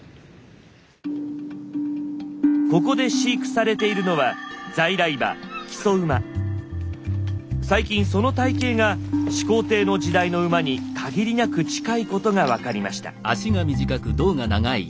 ここで飼育されているのは最近その体形が始皇帝の時代の馬に限りなく近いことが分かりました。